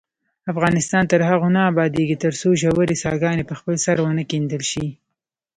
افغانستان تر هغو نه ابادیږي، ترڅو ژورې څاګانې په خپل سر ونه کیندل شي.